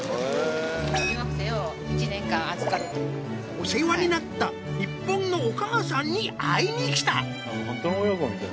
お世話になった日本のお母さんに会いに来たホントの親子みたい。